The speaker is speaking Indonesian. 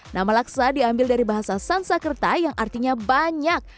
nama laksa diambil dari bahasa sansakerta yang artinya banyak